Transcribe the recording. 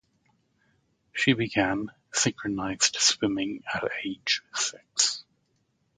She began synchronized swimming at age six.